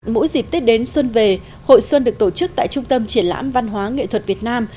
mỗi dịp tết đến xuân về hội xuân được tổ chức tại trung tâm triển lãm văn hóa nghệ thuật việt nam